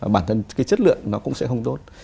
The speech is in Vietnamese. bản thân cái chất lượng nó cũng sẽ không tốt